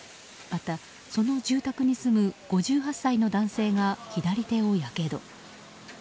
また、その住宅に住む５８歳の男性が左手をやけど。